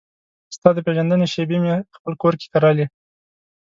ستا د پیژندنې شیبې مې پخپل کور کې کرلې